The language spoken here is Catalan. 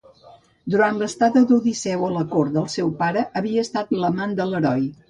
Durant l'estada d'Odisseu a la cort del seu pare, havia estat l'amant de l'heroi.